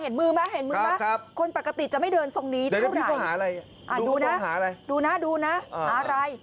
ดูนะดูนะดูนะอะไร